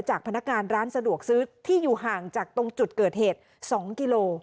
พนักงานร้านสะดวกซื้อที่อยู่ห่างจากตรงจุดเกิดเหตุ๒กิโล